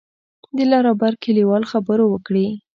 د لر او بر کلیوال خبرو وکړې.